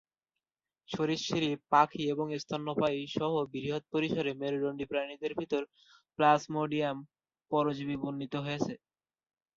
সরীসৃপ, পাখি এবং স্তন্যপায়ী সহ বৃহৎ পরিসরের মেরুদণ্ডী প্রাণীদের ভিতর "প্লাজমোডিয়াম" পরজীবী বর্ণিত হয়েছে।